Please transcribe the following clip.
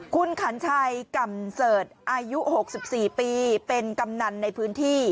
คุณคัญชายกำเศรษฐ์อายุหกสิบสี่ปีเป็นกำนันในพื้นที่